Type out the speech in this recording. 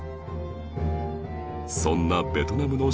そんなベトナムの